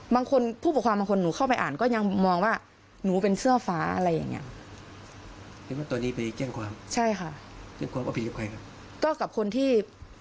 ผู้ปกครองบางคนหนูเข้าไปอ่านก็ยังมองว่าหนูเป็นเสื้อฟ้าอะไรอย่างนี้